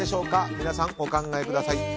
皆さん、お考えください。